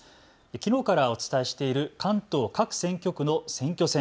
きのうからお伝えしている関東各選挙区の選挙戦。